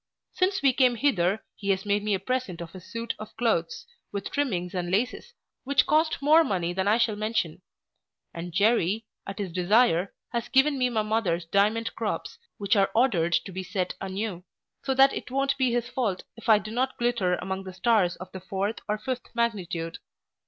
Since we came hither, he has made me a present of a suit of clothes, with trimmings and laces, which cost more money than I shall mention; and Jery, at his desire, has given me my mother's diamond crops, which are ordered to be set a new; so that it won't be his fault if I do not glitter among the stars of the fourth or fifth magnitude.